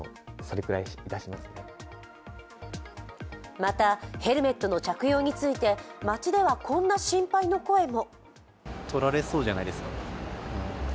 また、ヘルメットの着用について街ではこんな心配の声も。